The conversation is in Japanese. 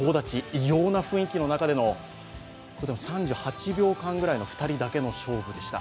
異様な雰囲気の中での、３８秒間くらいの２人だけの勝負でした。